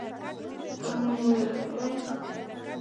Ы-м-ы-ы...